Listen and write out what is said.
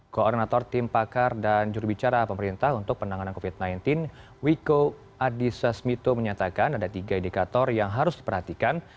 koordinator tim pakar dan jurubicara pemerintah untuk penanganan covid sembilan belas wiko adhisa smito menyatakan ada tiga indikator yang harus diperhatikan